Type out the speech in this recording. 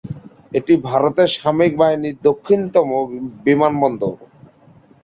এটি ভারতের সামরিক বাহিনীর দক্ষিণতম বিমান বন্দর।